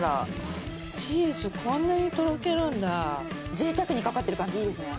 ぜいたくに掛かってる感じいいですね。